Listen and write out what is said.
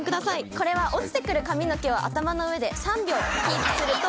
これは落ちてくる髪の毛を頭の上で３秒キープすると